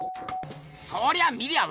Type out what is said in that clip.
そりゃ見りゃあ